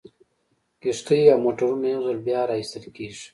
کښتۍ او موټرونه یو ځل بیا را ایستل کیږي